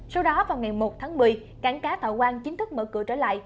sau đó vào ngày một tháng một mươi cảng cá thọ quang chính thức mở cửa trở lại